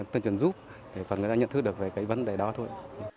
tuyên truyền giúp để phần người ta nhận thức được về vấn đề đó thôi